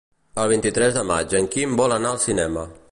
El vint-i-tres de maig en Quim vol anar al cinema.